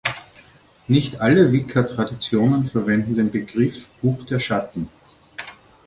Nicht alle Wicca-Traditionen verwenden den Begriff „Buch der Schatten“.